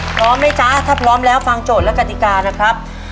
พร้อมไหมจ๊ะถ้าพร้อมแล้วฟังโจทย์และกติกานะครับ